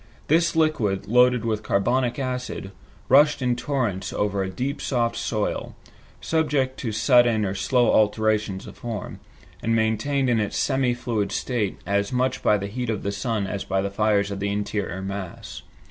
This liquid, loaded with carbonic acid, rushed in torrents over a deep soft soil, subject to sudden or slow alterations of form, and maintained in its semi fluid state as much by the heat of the sun as by the fires of the interior mass.